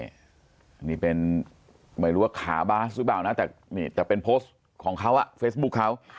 อันนี้เป็นไม่รู้ว่าขาบาสหรือเปล่านะแต่นี่แต่เป็นโพสต์ของเขาเฟซบุ๊คเขา